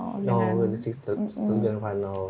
oh gladiasi setelah grand final